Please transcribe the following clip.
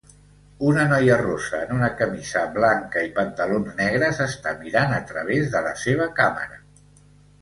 Una noia rossa en una camisa blanca i pantalons negres està mirant a través de la seva càmera.